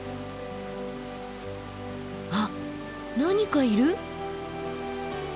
あっ何かいる。